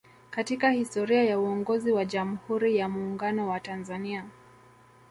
Katika historia ya uongozi wa Jamhuri ya Muungano wa Tanzania